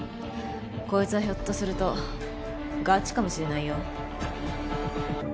こいつはひょっとするとガチかもしれないよ。